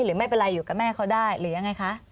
หรือไม่เป็นไรอยู่กับแม่เขาได้หรือยังไงคะ